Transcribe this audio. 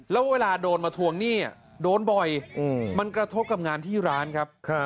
แล้วเวลาโดนมาทวงหนี้โดนบ่อยมันกระทบกับงานที่ร้านครับ